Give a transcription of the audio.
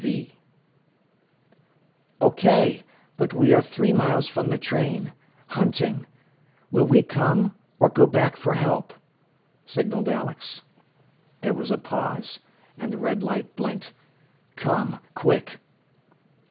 V." "OK. But we are three miles from the train. Hunting. Will we come, or go back for help?" signalled Alex. There was a pause, and the red light blinked, "Come! Quick!"